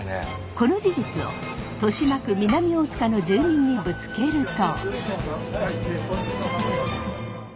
この事実を豊島区南大塚の住民にぶつけると。